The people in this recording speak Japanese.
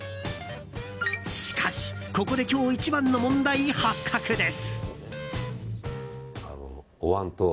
しかし、ここで今日一番の問題発覚です。